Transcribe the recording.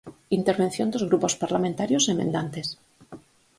Intervención dos grupos parlamentarios emendantes.